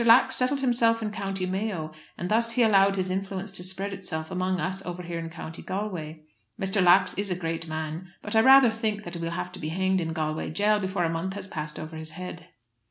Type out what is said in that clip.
Lax settled himself in County Mayo, and thus he allowed his influence to spread itself among us over here in County Galway. Mr. Lax is a great man, but I rather think that he will have to be hanged in Galway jail before a month has passed over his head."